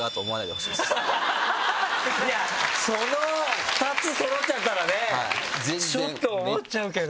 その２つそろっちゃったらねちょっと思っちゃうけど。